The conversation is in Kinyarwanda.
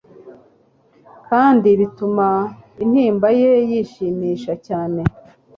kandi bituma intimba ye yishimisha cyane